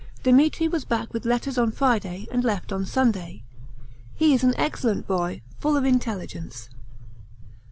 Demetri was back with letters on Friday and left on Sunday. He is an excellent boy, full of intelligence.